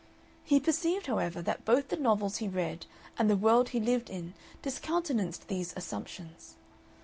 He perceived, however, that both the novels he read and the world he lived in discountenanced these assumptions.